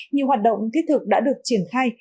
nhiều hoạt động thiết thực đã được triển khai